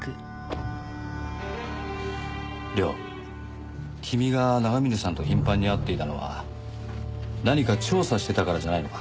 涼君が長峰さんと頻繁に会っていたのは何か調査してたからじゃないのか？